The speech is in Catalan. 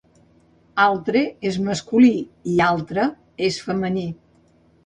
"Altre" és masculí i "altra" és femení.